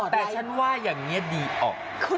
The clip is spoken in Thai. แต่ฉันว่าอย่างนี้ดีออก